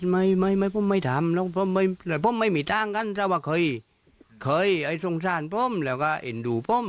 ไม่ผมไม่ทำแล้วผมไม่มีตังค์กันเจ้าว่าเคยสงสารผมแล้วก็เอ็นดูผม